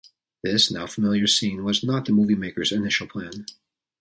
This now-familiar scene was not the moviemakers' initial plan.